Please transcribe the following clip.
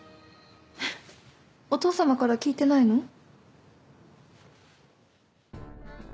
お父様から聞いてないの？